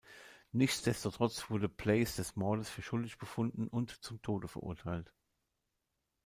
Nichtsdestotrotz wurde Place des Mordes für schuldig befunden und zum Tode verurteilt.